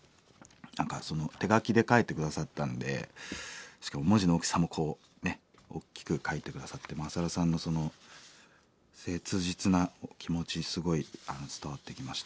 何か手書きで書いて下さったんでしかも文字の大きさもこうね大きく書いて下さってマサルさんのその切実な気持ちすごい伝わってきましたね。